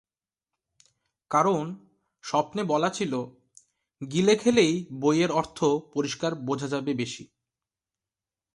কারণ, স্বপ্নে বলা ছিল, গিলে খেলেই বইয়ের অর্থ পরিষ্কার বোঝা যাবে বেশি।